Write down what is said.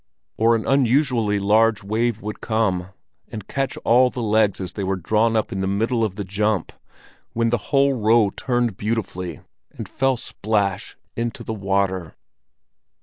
Or an unusually large wave would come and catch all the legs as they were drawn up in the middle of the jump, when the whole row turned beautifully, and fell splash into the water.